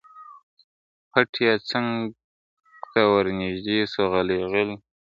پټ یې څنګ ته ورنیژدې سو غلی غلی ..